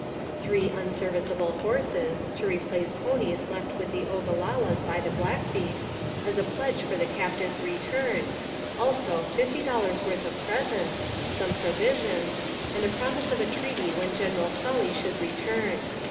Three unservice able horses, to replace ponies left with the Ogalallas by the Blackfeet, as a pledge for the captives return; also, fifty dollars, worth of presents, some provisions, and a promise of a treaty when General Sully should return.